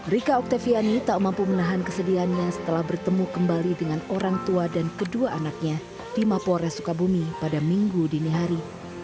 rika oktaviani tak mampu menahan kesedihannya setelah bertemu kembali dengan orang tua dan kedua anaknya di mapores sukabumi pada minggu dini hari